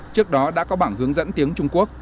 trước đó đã có bảng hướng dẫn tiếng trung quốc